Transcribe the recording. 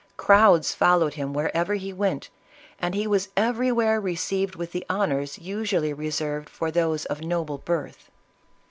Crowds followed him wherever he went, and he was everywhere received with the honors usually reserved for those of noble birth.